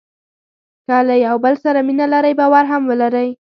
که له یو بل سره مینه لرئ باور هم ولرئ.